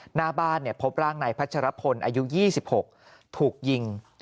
หน้าบ้านพบร่างนายพัชรพลอายุ๒๖ถูกยิง